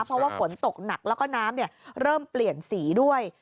เพราะว่าฝนตกหนักแล้วก็น้ำเริ่มเปลี่ยนสีด้วย